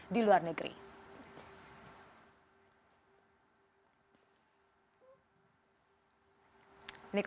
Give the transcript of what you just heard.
di luar negeri